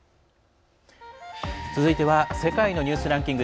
続いては「世界のニュースランキング」。